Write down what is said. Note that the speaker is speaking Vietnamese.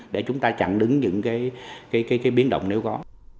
để chúng ta chặn đứng những cái biến động nếu có